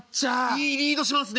「いいリードしますね」。